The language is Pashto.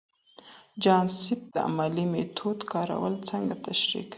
جان سبت د علمي میتود کارول څنګه تشریح کوي؟